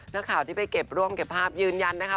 นักข่าวที่ไปเก็บร่วมเก็บภาพยืนยันนะคะ